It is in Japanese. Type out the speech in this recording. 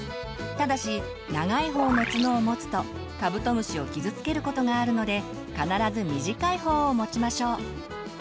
ただし長いほうの角を持つとカブトムシを傷つける事があるので必ず短いほうを持ちましょう。